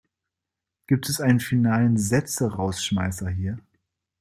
Gibt es einen finalen Sätzerausschmeißer hier?